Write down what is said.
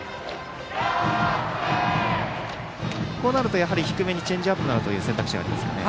こうなると低めにチェンジアップという選択肢がありますかね。